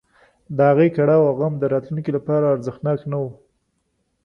د هغې کړاو او غم د راتلونکي لپاره ارزښتناک نه و.